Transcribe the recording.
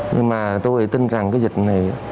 nhưng mà tôi tin rằng cái dịch này